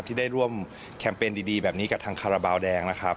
ที่ได้ร่วมแคมเปญดีแบบนี้กับทางคาราบาลแดงนะครับ